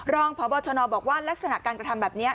รองพบชนบอกว่าลักษณะการกระทำแบบนี้